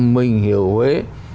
mình hiểu huế